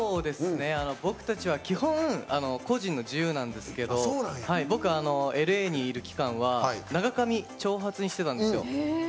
僕たちは基本個人の自由なんですけど僕、ＬＡにいる期間は長髪にしてたんですよ。